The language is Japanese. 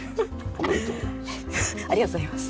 おめでとうございます。